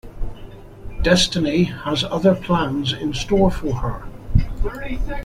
Destiny has other plans in store for her.